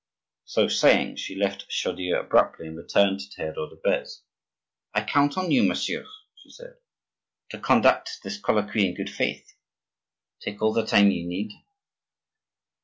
So saying, she left Chaudieu abruptly and returned to Theodore de Beze. "I count on you, monsieur," she said, "to conduct this colloquy in good faith. Take all the time you need."